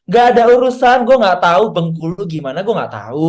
gak ada urusan gue gak tau bengkulu gimana gue gak tau